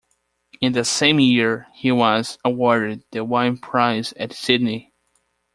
In the same year he was awarded the Wynne prize at Sydney.